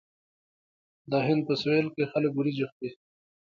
د هند په سویل کې خلک وریجې خوري.